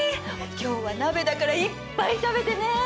今日は鍋だからいっぱい食べてね。